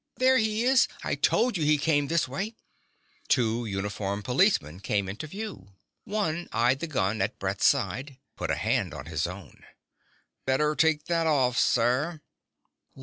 "There he is! I told you he came this way!" Two uniformed policemen came into view. One eyed the gun at Brett's side, put a hand on his own. "Better take that off, sir."